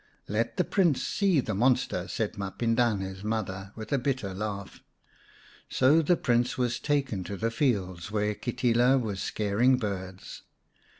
" Let the Prince see the monster," said Mapindane's mother, with a bitter laugh. So the Prince was taken to the fields where Kitila was scaring birds.